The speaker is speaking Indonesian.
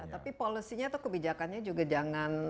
tapi polosinya atau kebijakannya juga jangan